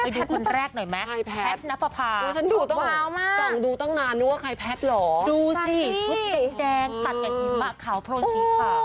ดูคนแรกหน่อยมั้ยแพทนักภาพสุดวาวมาก